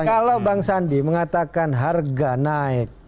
kalau bang sandi mengatakan harga naik